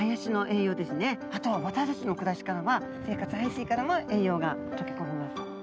あと私たちの暮らしからは生活排水からも栄養が溶け込みます。